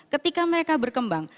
ketika mereka berkembang